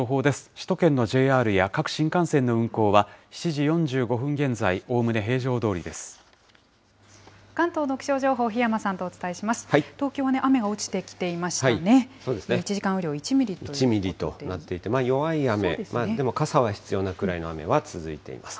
首都圏のＪＲや各新幹線の運行は、７時４５分現在、関東の気象情報、檜山さんとお伝えします。